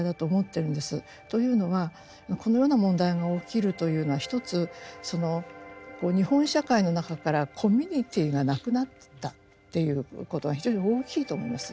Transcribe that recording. というのはこのような問題が起きるというのは一つ日本社会の中からコミュニティーがなくなったっていうことが非常に大きいと思います。